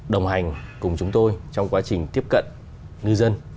đồng hành cùng chúng tôi trong quá trình tiếp cận ngư dân